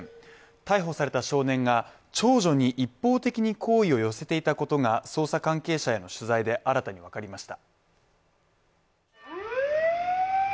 逮捕された少年が長女に一方的に好意を寄せていたことが捜査関係者への取材で新たに分かりました。